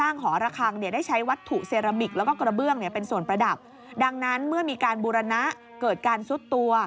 ในส่วนประดับดังนั้นเมื่อมีการบูรณะเกิดการซุดตัว